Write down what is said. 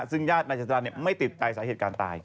ซึ่งญาตินายจัดาเนี่ยไม่ติดใต้สาเหตุการณ์ตาย